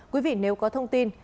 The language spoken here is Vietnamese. quý vị nếu có thông tin